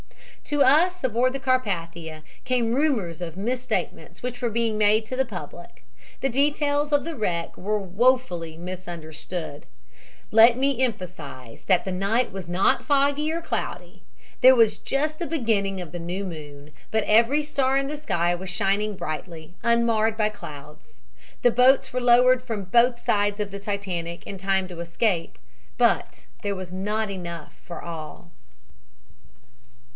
"To us aboard the Carpathia came rumors of misstatements which were being made to the public. The details of the wreck were wofully misunderstood. "Let me emphasize that the night was not foggy or cloudy. There was just the beginning of the new moon, but every star in the sky was shining brightly, unmarred by clouds. The boats were lowered from both sides of the Titanic in time to escape, but there was not enough for all.